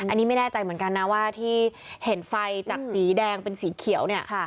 อันนี้ไม่แน่ใจเหมือนกันนะว่าที่เห็นไฟจากสีแดงเป็นสีเขียวเนี่ย